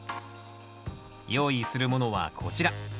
用意するものはこちら。